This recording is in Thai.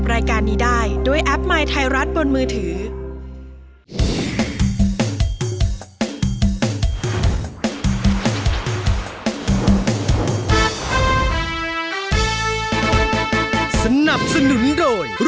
วันนี้วันอาทิตย์